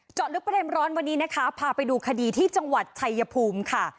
ลึกประเด็นร้อนวันนี้นะคะพาไปดูคดีที่จังหวัดชายภูมิค่ะ